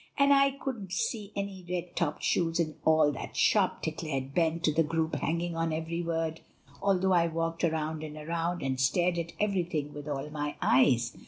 "And I couldn't see any red topped shoes in all that shop," declared Ben to the group hanging on every word, "although I walked around and around, and stared at everything with all my eyes."